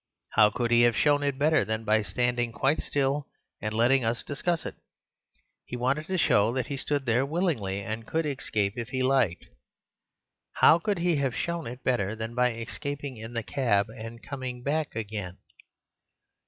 How could he have shown it better than by standing quite still and letting us discuss it? He wanted to show that he stood there willingly, and could escape if he liked. How could he have shown it better than by escaping in the cab and coming back again?